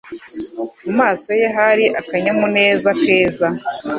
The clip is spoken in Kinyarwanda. Mu maso ye hari akanyamuneza keza.